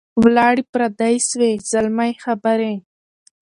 ولاړې پردۍ سوې زلمۍ خبري